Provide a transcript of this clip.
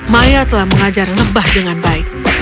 maya telah mengajar lebah dengan baik